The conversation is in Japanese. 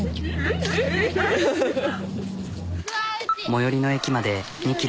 最寄りの駅まで２ｋｍ。